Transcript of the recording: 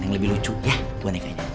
yang lebih lucu ya bonekanya